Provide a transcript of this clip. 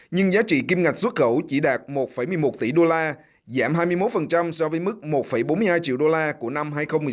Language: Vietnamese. nhưng giá trị kim ngạch xuất khẩu chỉ đạt một một mươi một tỷ đô la giảm hai mươi một so với mức một bốn mươi hai triệu đô la của năm hai nghìn một mươi sáu